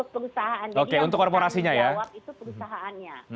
jadi yang harus bertanggung jawab itu perusahaannya